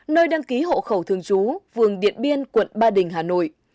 nơi đăng ký hộ khẩu thường trú vườn điện biên quận ba đình hà nội